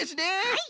はい。